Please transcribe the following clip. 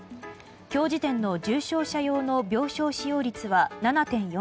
今日時点の重症者用の病床使用率は７．４％。